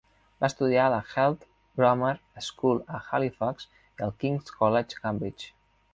Va estudiar a la Heath Grammar School a Halifax i al King's College Cambridge.